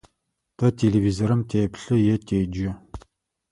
Тэ телевизорым теплъы е теджэ.